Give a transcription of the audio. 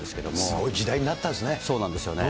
すごい時代になったんですね。